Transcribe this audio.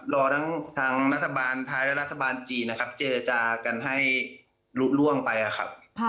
รอทั้งทางรัฐบาลไทยและรัฐบาลจีนนะครับเจจากันให้ลุล่วงไปครับ